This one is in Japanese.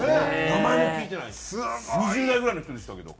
２０代ぐらいの人でしたけど。